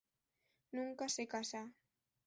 Nunca se casa.